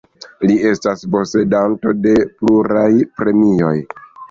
Li estas posedanto de pluraj premioj.